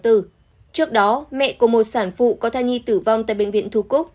trước đó mẹ của một sản phụ có thai nhi tử vong tại bệnh viện thủ cốc